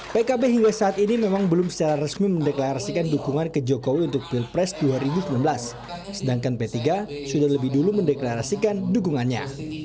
pkb hingga saat ini memang belum secara resmi mendeklarasikan dukungan ke jokowi untuk pilpres dua ribu sembilan belas sedangkan p tiga sudah lebih dulu mendeklarasikan dukungannya